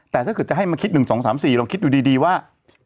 แต่ถ้าเกิดจะให้มาคิด๑๒๓๔เราคิดอยู่ดีว่า